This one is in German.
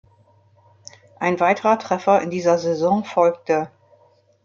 Ein weiterer Treffer in dieser Saison folgte.